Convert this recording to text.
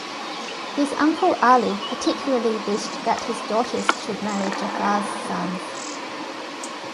His uncle Ali particularly wished that his daughters should marry Ja'far's sons.